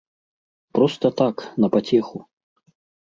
Проста так, на пацеху.